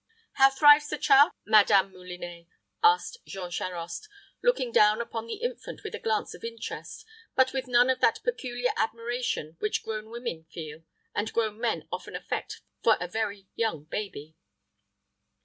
"How thrives the child, Madame Moulinet?" asked Jean Charost, looking down upon the infant with a glance of interest, but with none of that peculiar admiration which grown women feel and grown men often affect for a very young baby.